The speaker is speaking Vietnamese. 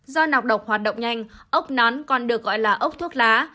do nọc độc hoạt động nhanh ốc nón còn được gọi là ốc thuốc lá